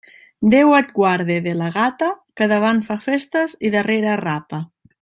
Déu et guarde de la gata, que davant fa festes i darrere arrapa.